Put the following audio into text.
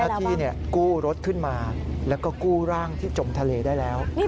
ที่กู้รถขึ้นมาแล้วก็กู้ร่างที่จมทะเลได้แล้ว